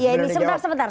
ya ini sebentar sebentar